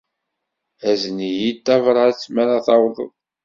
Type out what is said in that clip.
Azen-iyi-d tabṛat mi ara tawḍed.